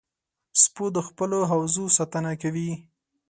سپو د خپلو حوزو ساتنه کوي.